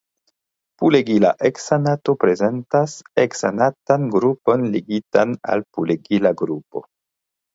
Pulegila heksanato prezentas heksanatan grupon ligitan al pulegila grupo.